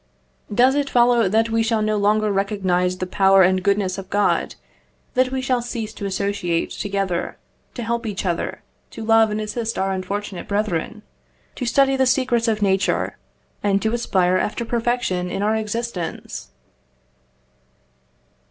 Does it follow, that we shall no longer recognise the power and goodness of God; that we shall cease to associate together, to help each other, to love and assist our unfortunate brethren, to study the secrets of nature, and to aspire after perfection in our existence?